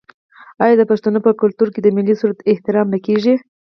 آیا د پښتنو په کلتور کې د ملي سرود احترام نه کیږي؟